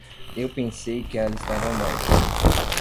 Eu pensei que ela estava morta.